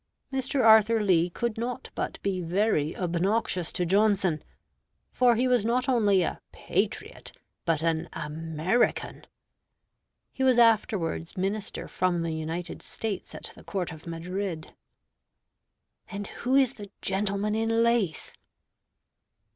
Mr. Arthur Lee could not but be very obnoxious to Johnson, for he was not only a patriot but an American. He was afterwards minister from the United States at the court of Madrid. "And who is the gentleman in lace?"